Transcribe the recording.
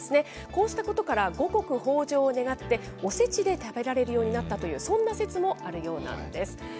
こうしたことから、五穀豊じょうを願って、おせちで食べられるようになったという、そんな説もあるようなんです。